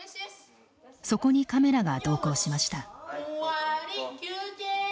そこにカメラが同行しました。